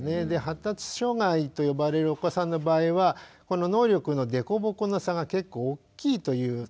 で発達障害と呼ばれるお子さんの場合はこの能力の凸凹の差が結構大きいという。